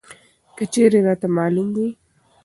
که چېرې راته معلوم وى!